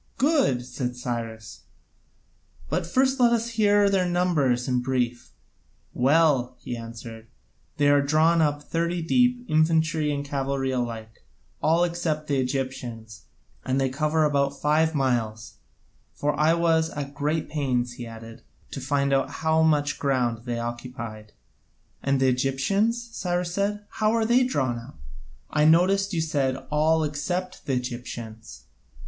"Good," said Cyrus, "but first let us hear their numbers in brief." "Well," he answered, "they are drawn up thirty deep, infantry and cavalry alike, all except the Egyptians, and they cover about five miles; for I was at great pains," he added, "to find out how much ground they occupied." "And the Egyptians?" Cyrus said, "how are they drawn up? I noticed you said, 'all except the Egyptians.'"